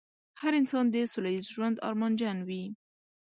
هر انسان د سوله ييز ژوند ارمانجن وي.